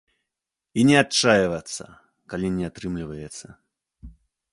І не адчайвацца, калі не атрымліваецца.